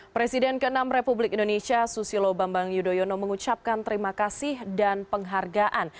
presiden ke enam republik indonesia susilo bambang yudhoyono mengucapkan terima kasih dan penghargaan